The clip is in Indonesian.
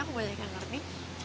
aku banyak yang ngerti